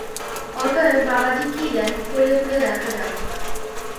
অতএব বাবাজী কি দেন, পড়িয়া পড়িয়া দেখা যাউক।